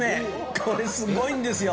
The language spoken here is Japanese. これすごいんですよ。